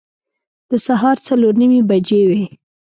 د سهار څلور نیمې بجې وې.